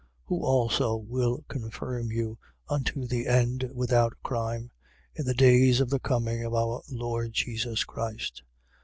1:8. Who also will confirm you unto the end without crime, in the days of the coming of our Lord Jesus Christ.